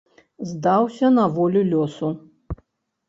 Здаўся на волю лёсу.